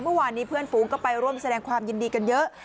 เมื่อวานนี้เพื่อนฟู้ก็ไปร่วมแสดงความยินดีกันเยอะ